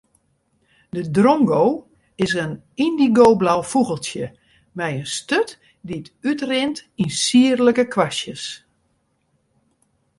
De drongo is in yndigoblau fûgeltsje mei in sturt dy't útrint yn sierlike kwastjes.